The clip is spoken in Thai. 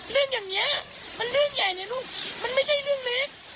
เรื่องอย่างนี้มันเรื่องใหญ่เลยลูกมันไม่ใช่เรื่องเล็ก